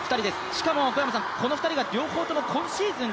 しかもこの２人が両方とも今シーズン